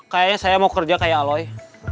kayaknya saya mau kerja kayak aloy